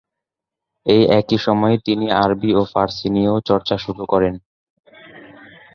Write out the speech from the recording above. এই একই সময়ে তিনি আরবি ও ফার্সি নিয়েও চর্চা শুরু করেন।